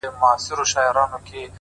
تالنده برېښنا يې خــوښـــــه ســوېده _